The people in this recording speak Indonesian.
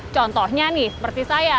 contohnya nih seperti saya